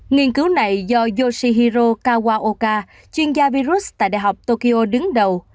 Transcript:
nghiên cứu này do yoshihiro kawaoka chuyên gia virus tại đại học tokyo đứng đầu